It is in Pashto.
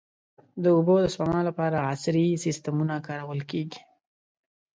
د اوبو د سپما لپاره عصري سیستمونه کارول کېږي.